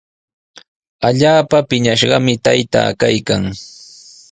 Allaapa piñashqami taytaa kaykan.